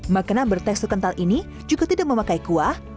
makanan bertekstur kental ini juga tidak memakai kuah